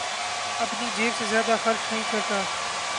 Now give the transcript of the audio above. اپنی جیب سے زیادہ خرچ نہیں کرتا